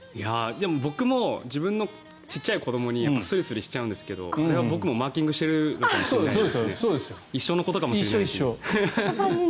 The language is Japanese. でも、僕も自分の小さい子どもにスリスリしちゃうんですけどあれは僕もマーキングしてるのかもしれないです。